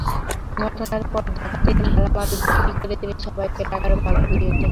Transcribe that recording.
ঘটনার পর ডাকাতির মালামাল বিক্রি করে তিনি সবাইকে টাকার ভাগ বুঝিয়ে দেন।